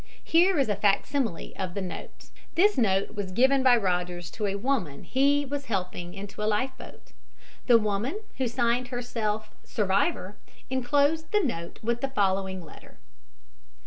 Here is a fac simile of the note: {illust.} This note was given by Rogers to a woman he was helping into a life boat. The woman, who signed herself "Survivor," inclosed the note with the following letter.